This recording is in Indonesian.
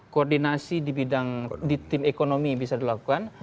koordinasi di bidang ekonomi bisa dilakukan